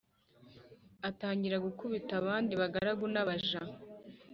atangira gukubita abandi bagaragu n’abaja